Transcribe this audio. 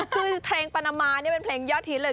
คือเพลงปานามานี่เป็นเพลงยอดฮิตเลย